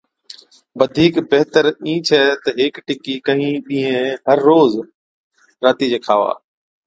بڌِيڪ بِهتر اِين ڇَي تہ هيڪ ٽِڪِي ڪهِين ڏِينهين هر روز راتِي چَي کاوا۔